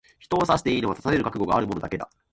人を刺していいのは、刺される覚悟がある者だけだ。